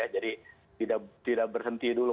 jadi tidak bershenti dulu